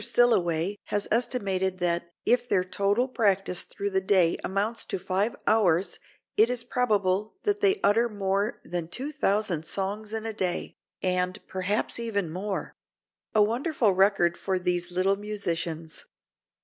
Silloway has estimated that "if their total practice through the day amounts to five hours, it is probable that they utter more than two thousand songs in a day, and perhaps even more; a wonderful record for these little musicians."